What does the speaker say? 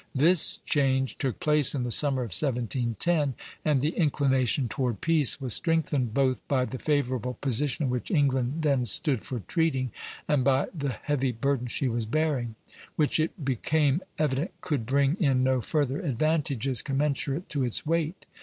This change took place in the summer of 1710, and the inclination toward peace was strengthened both by the favorable position in which England then stood for treating, and by the heavy burden she was bearing; which it became evident could bring in no further advantages commensurate to its weight.